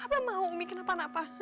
abah mau umi kenapa napa